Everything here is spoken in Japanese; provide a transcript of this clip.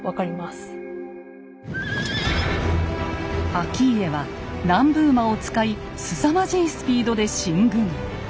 顕家は南部馬を使いすさまじいスピードで進軍。